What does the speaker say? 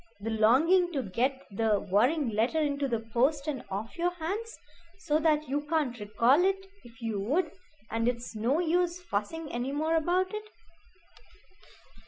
the longing to get the worrying letter into the post and off your hands, so that you can't recall it if you would, and it's no use fussing any more about it."